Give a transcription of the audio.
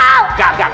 gak gak ada efek